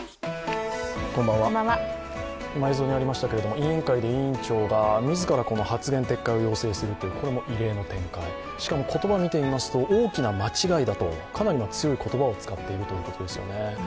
今、映像にありましたけれども委員会で委員長が自ら発言撤回を要請するというのは異例の展開、しかも言葉を見てみますと大きな間違いだとかなり強い言葉を使っているということですよね。